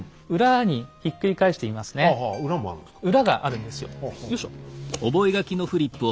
裏もあるんですか？